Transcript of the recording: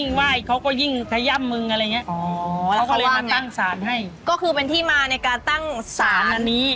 นุกเป็นเจ้าที่